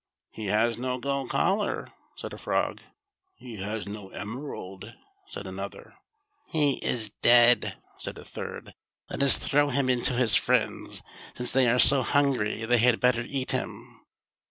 " He has no gold collar," said a frog. " He has no emerald," said another. " He is dead," said a third, " let us throw him in to his friends. Since they are so hungry they had better eat him."